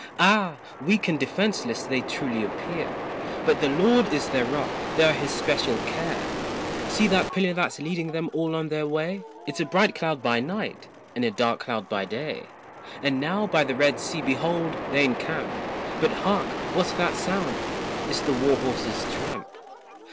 Ah! weak and defenceless they truly appear, But the Lord is their rock, they're his special care. See that pillar that's leading them all on their way, It's a bright cloud by night and a dark cloud by day; And now by the Red Sea behold they encamp, But hark! what's that sound, it's the war horse's tramp.